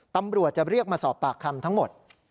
ตำรวจจะเรียกมาสอบปากคำทั้งหมด